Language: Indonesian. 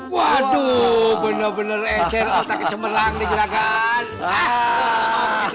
waduh bener bener encer otak cemerlang dikira gan